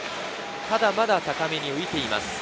ただ、まだ高めに浮いています。